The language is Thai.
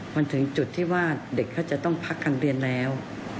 มันถึงจุดที่ว่าเด็กเขาจะต้องพักการเรียนแล้ว